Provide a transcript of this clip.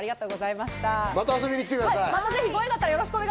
また遊びに来てください。